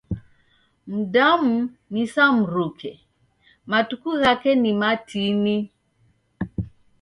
Mdamu ni sa mruke, matuku ghake ni matini.